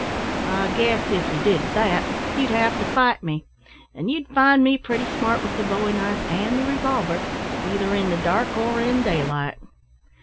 "I guess if you did that, you'd have to fight me, and you'd find me pretty smart with the bowie knife an' the revolver, either in the dark or in daylight."